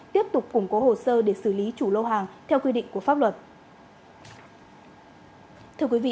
tiếp tục củng cố hồ sơ để xử lý chủ lô hàng theo quy định của pháp luật